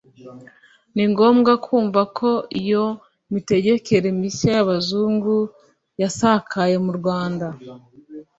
Ni ngombwa kumva ko iyo mitegekere mishya y'Abazungu yasakaye mu Rwanda